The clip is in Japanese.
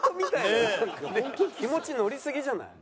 気持ち乗りすぎじゃない？